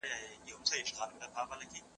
زه به سبا د کتابتوننۍ سره خبري کوم!.